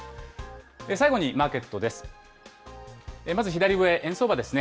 最後にマーケットです。